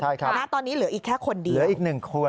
ใช่ครับตอนนี้เหลืออีกแค่คนเดียว